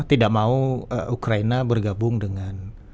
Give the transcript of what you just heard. tidak mau ukraina bergabung dengan